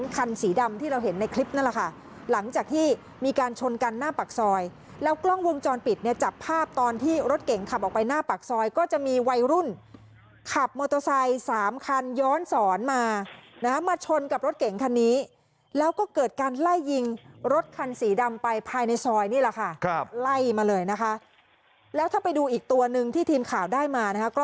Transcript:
คันสีดำที่เราเห็นในคลิปนั่นแหละค่ะหลังจากที่มีการชนกันหน้าปากซอยแล้วกล้องวงจรปิดเนี่ยจับภาพตอนที่รถเก่งขับออกไปหน้าปากซอยก็จะมีวัยรุ่นขับมอเตอร์ไซค์สามคันย้อนสอนมานะมาชนกับรถเก่งคันนี้แล้วก็เกิดการไล่ยิงรถคันสีดำไปภายในซอยนี่แหละค่ะครับไล่มาเลยนะคะแล้วถ้าไปดูอีกตัวนึงที่ทีมข่าวได้มานะคะก็